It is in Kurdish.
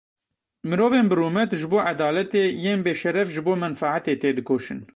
Mirovên birûmet ji bo edaletê yên bêşeref ji bo menfaetê têdikoşin.